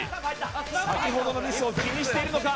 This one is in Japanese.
さきほどのミスを気にしているのか